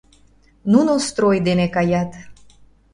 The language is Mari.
Нуно строй дене каят.